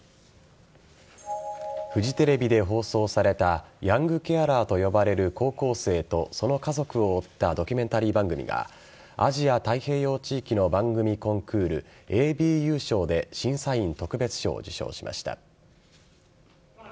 フジテレビで放送されたヤングケアラーと呼ばれる高校生とその家族を追ったドキュメンタリー番組がアジア太平洋地域の番組コンクールＡＢＵ賞で審査員特別賞を受賞しました。